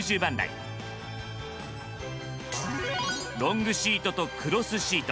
ロングシートとクロスシート